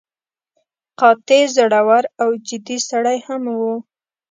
قاطع، زړور او جدي سړی هم و.